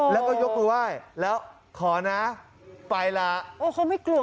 แล้วก็ยกมือไหว้แล้วขอนะไปล่ะโอ้เขาไม่กลัว